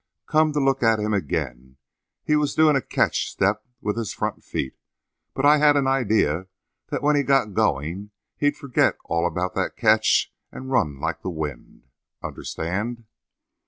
Come to look at him again, he was doing a catch step with his front feet, but I had an idea that when he got going he'd forget all about that catch and run like the wind. Understand?"